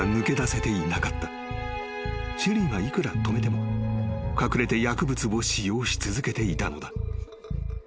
［シェリーがいくら止めても隠れて薬物を使用し続けていたのだ］